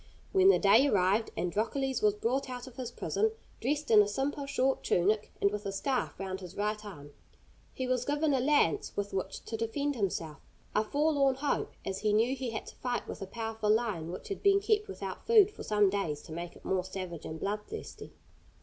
When the day arrived Androcles was brought out of his prison, dressed in a simple, short tunic, and with a scarf round his right arm. He was given a lance with which to defend himself a forlorn hope, as he knew that he had to fight with a powerful lion which had been kept without food for some days to make it more savage and bloodthirsty.